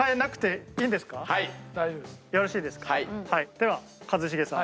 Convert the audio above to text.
では一茂さん。